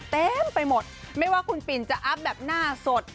เต็มไปหมดไม่ว่าคุณปิ่นจะอัพแบบหน้าสด